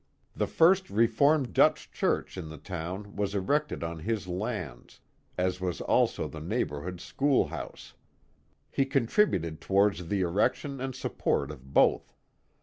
The first Reformed Dutch church in the town was erected on his lands, as was also the neighborhood school house. He contribuied towards the erection and support of both.